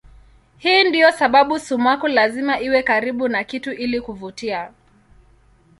Hii ndiyo sababu sumaku lazima iwe karibu na kitu ili kuvutia.